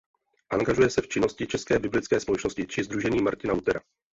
Angažuje se v činnosti České biblické společnosti či Sdružení Martina Luthera.